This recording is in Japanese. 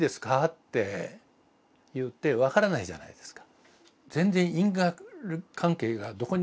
っていって分からないじゃないですか。